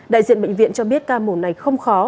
đại diện bệnh viện cho biết ca mổ này không khó